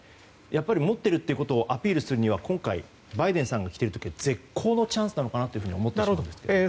やっぱり持っているということをアピールするには今回バイデンさんが来ていることは絶好のチャンスなのかと思ってしまうんですが。